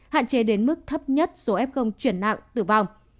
hạn chế đến mức thấp nhất số f chuyển nặng tử vong